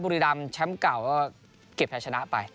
บุรีรำแชมป์เก่าก็เก็บไทยชนะไป